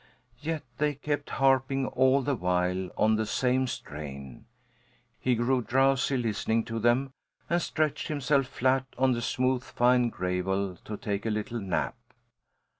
Yet they kept harping all the while on the same strain. He grew drowsy listening to them, and stretched himself flat on the smooth, fine gravel to take a little nap.